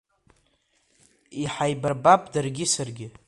Иҳаибарбап даргьы саргьы.